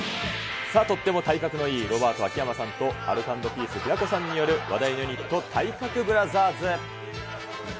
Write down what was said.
とっても体格のいいロバート・秋山さんとアルコ＆ピース・平子さんによる話題のユニット、体格ブラザーズ。